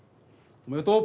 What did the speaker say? おめでとう！